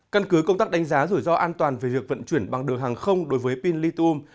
căn cứ công tác đánh giá rủi ro an toàn về việc vận chuyển bằng đường hàng không đối với pin lithum